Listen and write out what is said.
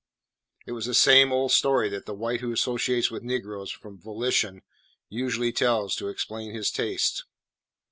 It was the same old story that the white who associates with negroes from volition usually tells to explain his taste.